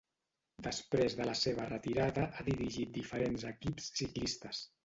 Després de la seva retirada ha dirigit diferents equips ciclistes.